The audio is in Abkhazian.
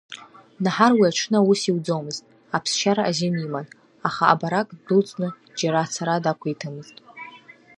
Наҳар уи аҽны аус иуӡомызт, аԥсшьара азин иман, аха абарак ддәылҵны џьара ацара дақәиҭымызт.